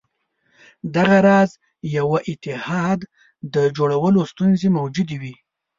دغه راز یوه اتحاد د جوړولو ستونزې موجودې وې.